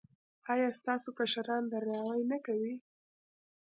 ایا ستاسو کشران درناوی نه کوي؟